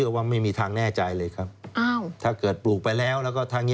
เราอยากจะมีบ้านมีที่ดินอยู่ใกล้กับวิวสวยแบบนั้น